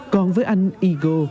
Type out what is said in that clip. còn với anh igo